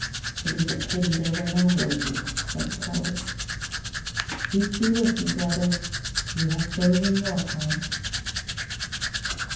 "It is a pity there were no roses," said the Poet. Peace be with you, Brother. You have chosen your part.